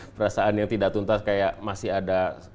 perasaan yang tidak tuntas kayak masih ada